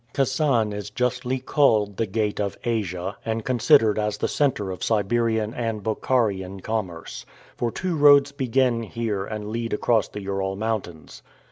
Kasan is justly called the "Gate of Asia" and considered as the center of Siberian and Bokharian commerce; for two roads begin here and lead across the Ural Mountains.